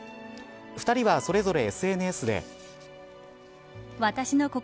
２人は、それぞれＳＮＳで。